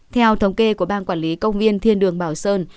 theo thống kê của ban quản lý công viên thiên đường bảo sơn